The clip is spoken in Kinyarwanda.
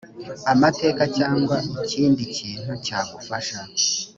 amateka cyangwa ikindi kintu cyagufasha